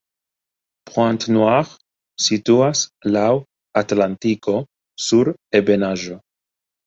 Pointe-Noire situas laŭ Atlantiko sur ebenaĵo.